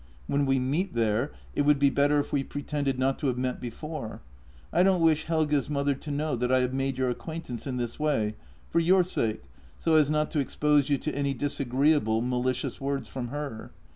k When we meet there, it would be better if we pretended not to have met before. I don't wish Helge's mother to know that I have made your acquaintance in this way — for your sake, so as not to expose you to any disagreeable, malicious words from her.